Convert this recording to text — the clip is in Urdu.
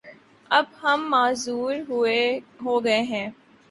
اب ہم معزز ہو گئے ہیں